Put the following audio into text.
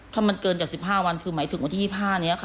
ถ้ามันเกินจาก๑๕วันคือหมายถึงวันที่๒๕นี้ค่ะ